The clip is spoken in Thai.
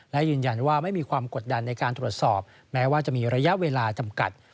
และยืนยันว่าไม่มีความกดดันในการตรวจสอบแม้ว่าจะมีระยะเวลาจำกัด